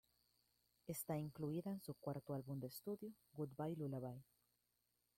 Está incluida en su cuarto álbum de estudio "Goodbye Lullaby".